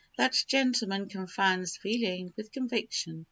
That gentleman confounds feeling with conviction.